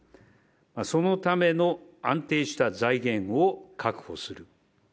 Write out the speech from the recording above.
そのための安定した財源を確保する。